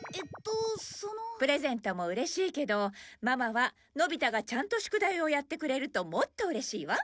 プレゼントもうれしいけどママはのび太がちゃんと宿題をやってくれるともっとうれしいわ。